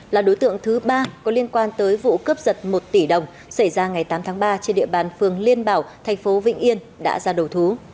là đối tượng thứ ba có liên quan tới vụ cướp giật một tỷ đồng xảy ra ngày tám tháng ba trên địa bàn phường liên bảo thành phố vĩnh yên đã ra đầu thú